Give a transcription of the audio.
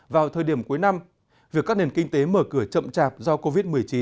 vào thời điểm cuối năm việc các nền kinh tế mở cửa chậm chạp do covid một mươi chín